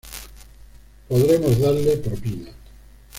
Podremos darle propina.